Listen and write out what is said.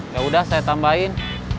yaudah saya tambahin